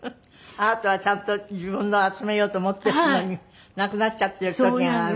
あなたはちゃんと自分のを集めようと思っているのになくなっちゃっている時がある。